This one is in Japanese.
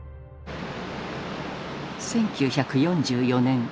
１９４４年。